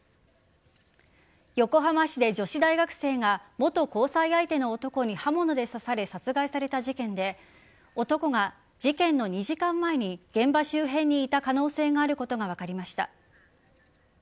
横浜市で女子大学生が元交際相手の男に刃物で刺され殺害された事件で男が事件の２時間前に現場周辺にいた可能性があることが分かりました。